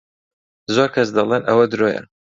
زۆر کەس دەڵێن ئەوە درۆیە.